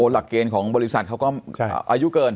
หลักเกณฑ์ของบริษัทเขาก็อายุเกิน